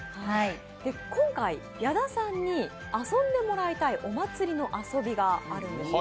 今回、矢田さんに遊んでもらいたいお祭りの遊びがあるんです。